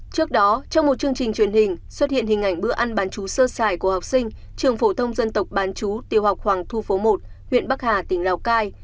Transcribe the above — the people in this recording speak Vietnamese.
trước đó trong một chương trình truyền hình xuất hiện hình ảnh bữa ăn bán chú sơ sài của học sinh trường phổ thông dân tộc bán chú tiểu học hoàng thu phố một huyện bắc hà tỉnh lào cai